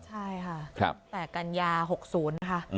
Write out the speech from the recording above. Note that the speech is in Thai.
ใช่ค่ะ๘กัญญา๖๐นะคะ